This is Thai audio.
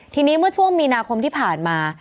ทีนี้เมื่อช่วงมีนาคมที่ผ่านมา